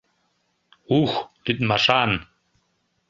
Ух, лӱдмашан!